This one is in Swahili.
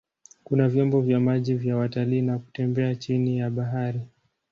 Kuna vyombo vya maji vya watalii na kutembea chini ya bahari.